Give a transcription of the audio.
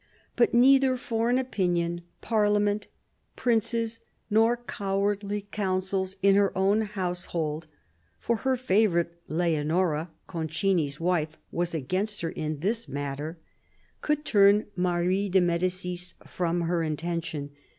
But neither foreign opinion, Parliament, princes, nor cowardly counsels in her own household — for her favourite Leonora, Concini's wife, was against her in this matter — could turn Marie de Medicis from her intention.